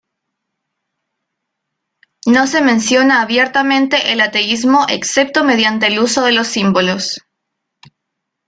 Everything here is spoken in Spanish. No se menciona abiertamente el ateísmo excepto mediante el uso de los símbolos.